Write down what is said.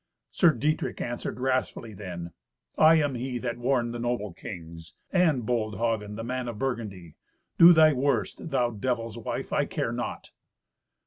Sir Dietrich answered wrathfully then, "I am he that warned the noble kings, and bold Hagen, the man of Burgundy. Do thy worst, thou devil's wife, I care not!"